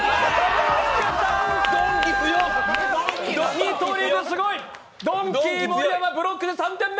見取り図、すごい！ドンキー・盛山ブロックで３点目！